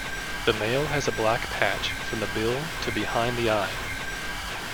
The male has a black patch from the bill to behind the eye.